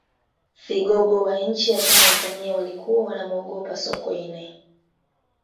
vigogo wa nchi ya tanzania walikuwa wanamuogopa sokoine